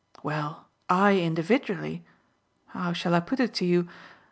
"Well, I individually how shall I put it to you?